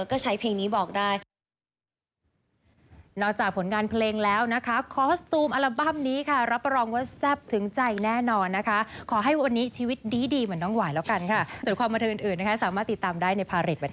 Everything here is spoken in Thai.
ก็ใช้เพลงนี้บอกได้